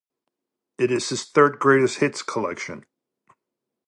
It is his third greatest hits collection.